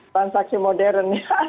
transaksi modern ya